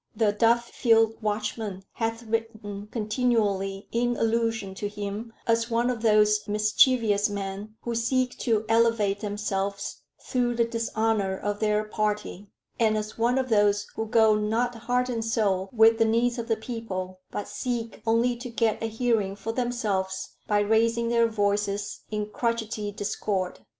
The Duffield Watchman hath written continually in allusion to him as one of those mischievous men who seek to elevate themselves through the dishonor of their party; and as one of those who go not heart and soul with the needs of the people, but seek only to get a hearing for themselves by raising their voices in crotchety discord.